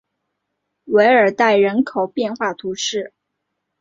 韦尔代人口变化图示